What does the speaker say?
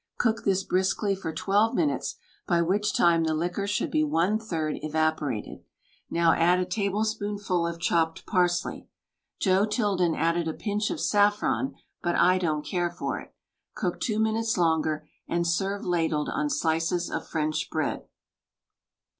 Cook this briskly for twelve minutes, by which time the liquor should be one third evaporated. Now add a table spoonful of chopped parsley. Joe Tilden added a pinch of saffron, but I don't care for it. Cook two minutes longer and serve ladled on slices of French bread.